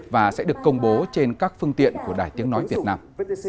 và sẽ được công bố trên các phương tiện của đài tiếng nói việt nam